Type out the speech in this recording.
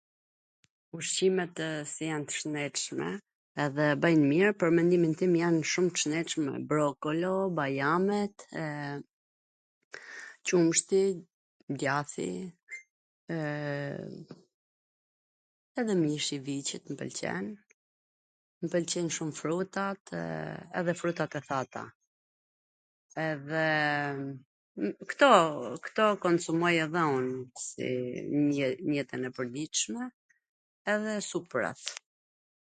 Ushqimetw si jan t shwndetshme edhe bwjn mir, pwr mendimin tim jan shum t shndetshme brokolo, bajamet, qumshti, djathi, www edhe mishi i viCit mw pwlqen, mw pwlqejn shum frutat, edhe frutat e thata, edhe kto, kto konsumoj edhe un, si n jetwn e pwrditshme, edhe suprat.